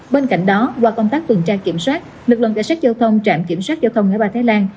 bên cạnh đó qua công tác tuần tra kiểm soát lực lượng cảnh sát giao thông trạm kiểm soát giao thông ngã ba thái lan